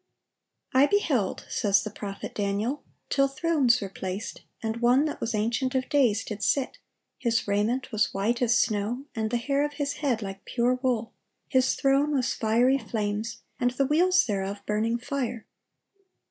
] "I beheld," says the prophet Daniel, "till thrones were placed, and One that was ancient of days did sit: His raiment was white as snow, and the hair of His head like pure wool; His throne was fiery flames, and the wheels thereof burning fire.